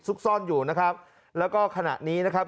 ซ่อนอยู่นะครับแล้วก็ขณะนี้นะครับ